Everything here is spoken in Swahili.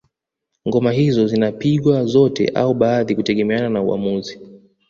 Ngoma hizo zinapigwa zote au baadhi kutegemeana na uamuzi